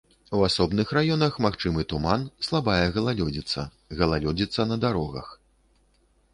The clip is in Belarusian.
У асобных раёнах магчымы туман, слабая галалёдзіца, галалёдзіца на дарогах.